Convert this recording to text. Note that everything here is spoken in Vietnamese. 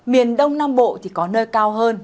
miền đông nam bộ thì có nơi cao hơn